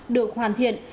được hoàn thiện